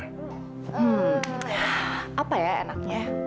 hmm apa ya enaknya